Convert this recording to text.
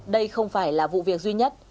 đây không phải là vụ việc duy nhất